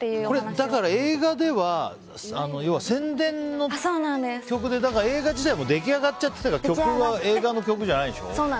だから、映画では要は宣伝の曲で映画自体はもう出来上がっていたから映画の曲ではないんでしょ？